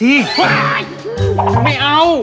เอางี้